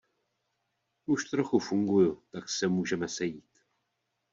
Už trochu funguju, tak se můžeme sejít.